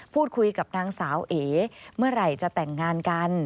พูดคุยกับนางสาวเอ๋เมื่อไหร่จะแต่งงานกัน